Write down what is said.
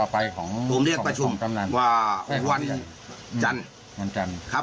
ผมเรียกประชุมว่าวันจันทร์